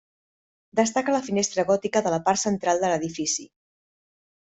Destaca la finestra gòtica de la part central de l'edifici.